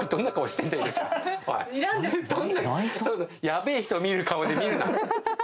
ヤベえ人見る顔で見るな。